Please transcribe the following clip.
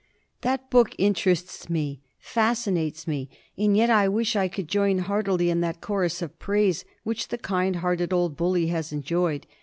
That book interests me—fascinates me—and yet I wish I could join heartily in that chorus of praise which the kind hearted old bully has enjoyed.